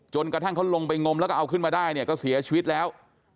กระทั่งเขาลงไปงมแล้วก็เอาขึ้นมาได้เนี่ยก็เสียชีวิตแล้ว